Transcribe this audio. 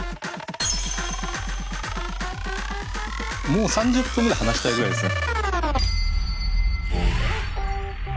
もう３０分ぐらい話したいぐらいですね。